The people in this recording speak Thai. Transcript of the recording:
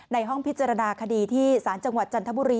ในห้องพิจารณาคดีที่สจจันทบุรี